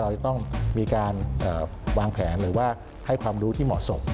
จะต้องมีการวางแผนหรือว่าให้ความรู้ที่เหมาะสม